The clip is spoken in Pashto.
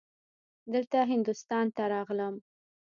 دلته هندوستان ته راغلم.